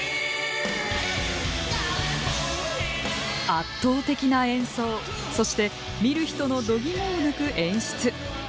圧倒的な演奏、そして見る人の度肝を抜く演出。